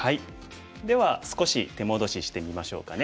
では少し手戻ししてみましょうかね。